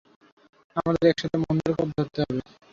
আমাদের একসাথে মন্দের পথ ধরতে হবে।